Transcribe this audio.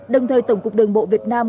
đồng thời tổng cục đường bộ việt nam